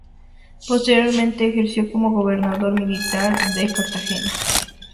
Posteriormente ejerció como gobernador militar de Cartagena.